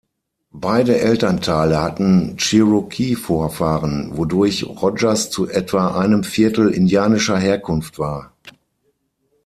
Beide Elternteile hatten Cherokee-Vorfahren, wodurch Rogers zu etwa einem Viertel indianischer Herkunft war.